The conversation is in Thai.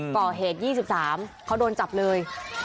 ก่อเหตุ๒๓เขาโดนจับเลย